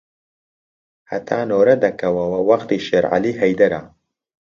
هەتا نۆرە دەکەوەوە وەختی شێرعەلی هەیدەرە